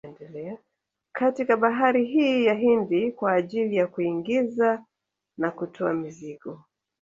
Katika bahari hii ya Hindi kwa ajili ya kuingiza na kutoa mizigo